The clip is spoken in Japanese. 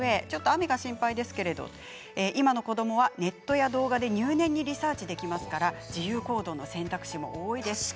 雨が心配ですけれど今の子どもはネットや動画で入念にリサーチできますから自由行動の選択肢も多いです。